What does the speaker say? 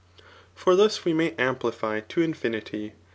.F0r thus we may amplify ta infinity.